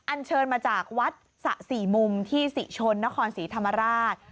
เชิญมาจากวัดสะสี่มุมที่ศรีชนนครศรีธรรมราช